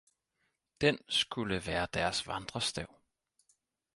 Den skulde være deres vandrestav